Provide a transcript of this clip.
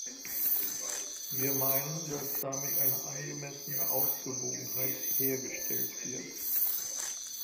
Wir meinen, dass damit eine angemessene Ausgewogenheit hergestellt wird.